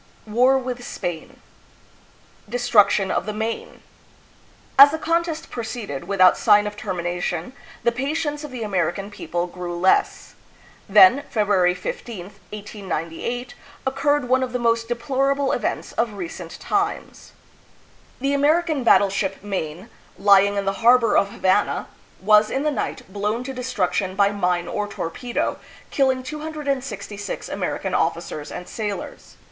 War with Spain. Destruction of the "Maine." As the contest proceeded without sign of termination, the patience of the American people grew less. Then, Feb ruary 15, 1898, occurred one of the most deplorable events of recent times. The American battleship "Maine," lying AMERICA AND THE PHILIPPINES. 293 in the harbor of Havana, was, in the night, blown to de struction by mine or torpedo, killing 266 American officers and sailors.